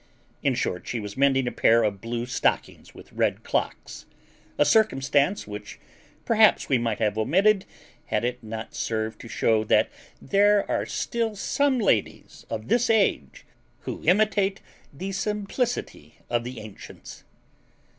In short, she was mending a pair of blue stockings with red clocks; a circumstance which perhaps we might have omitted, had it not served to show that there are still some ladies of this age who imitate the simplicity of the ancients.